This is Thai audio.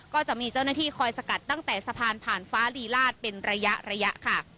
ก็จะมีเจ้าหน้าที่คอยสกัดตั้งแต่สะพานผ่านฟ้าลีลาศเป็นระยะระยะค่ะ